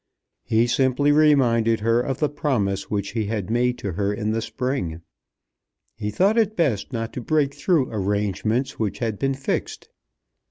He simply reminded her of the promise which he had made to her in the spring. He thought it best not to break through arrangements which had been fixed.